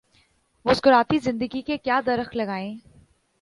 مسکراتی زندگی کے لیے درخت لگائیں۔